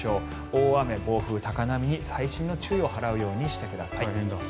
大雨、暴風、高波に細心の注意を払うようにしてください。